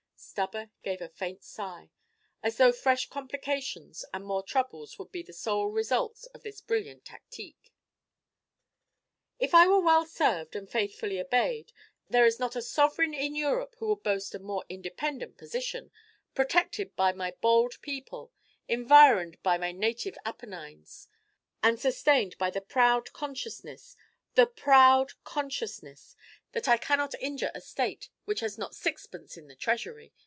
Stubber gave a faint sigh, as though fresh complications and more troubles would be the sole results of this brilliant tactique. "If I were well served and faithfully obeyed, there is not a sovereign in Europe who would boast a more independent position, protected by my bold people, environed by my native Apennines, and sustained by the proud consciousness the proud consciousness that I cannot injure a state which has not sixpence in the treasury!